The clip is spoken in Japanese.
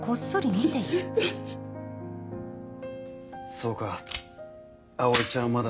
そうか葵ちゃんまだ。